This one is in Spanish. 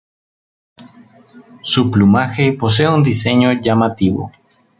Su plumaje posee un diseño llamativo.